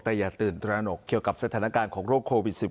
แต่อย่าตื่นตระหนกเกี่ยวกับสถานการณ์ของโรคโควิด๑๙